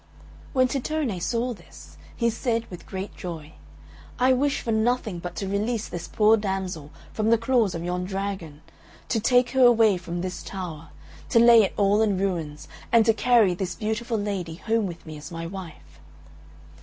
When Tittone saw this, he said with great joy, "I wish for nothing but to release this poor damsel from the claws of yon dragon, to take her away from this tower, to lay it all in ruins, and to carry this beautiful lady home with me as my wife."